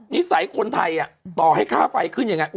นิสัยคนไทยต่อให้ค่าไฟขึ้นยังไง